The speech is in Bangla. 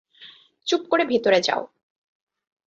চুপ করে ভিতরে যাও!